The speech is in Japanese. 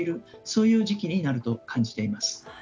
そういう時期になると感じています。